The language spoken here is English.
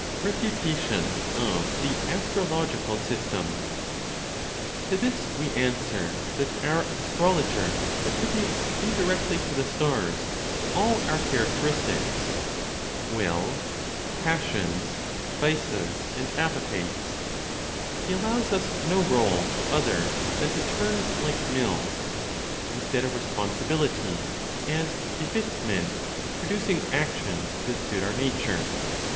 REFUTATION OF THE ASTROLOGICAL SYSTEM. To this we answer that our astrologer attributes indirectly to the stars all our characteristics: will, passions, vices and appetites; he allows us no rôle other than to turn like mills, instead of responsibility, as befits men, producing actions that suit our nature.